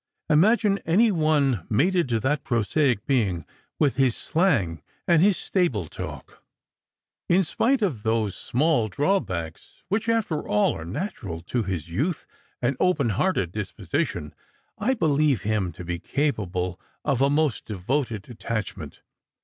" Imagine any one mated to that prosaic being, with his slang and his stable talk !" "In spite of those small drawbacks — which, after all, are natural to his youth and open hearted disposition — I believe him to be callable of a most devoted attachment.